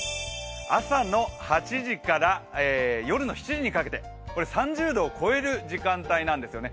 朝の８時から夜の７時にかけて、３０度を超える時間帯なんですよね。